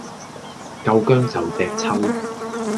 夠薑就隻揪